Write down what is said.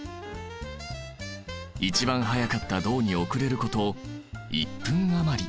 一番早かった銅に遅れること１分余り。